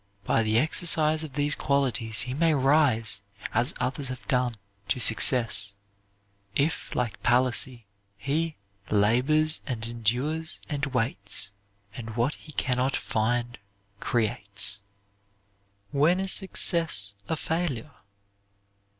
By the exercise of these qualities he may rise, as others have done, to success, if like Palissy he "Labors and endures and waits And what he can not find creates." WHEN IS SUCCESS A FAILURE?